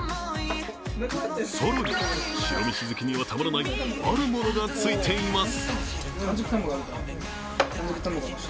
更に、白飯好きにはたまらないあるものがついています。